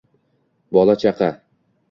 Bola-chaqa